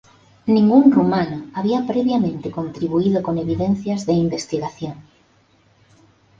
Ningún rumano había previamente contribuido con evidencias de investigación.